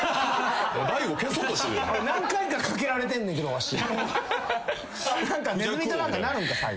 何回かかけられてんねんけどわし。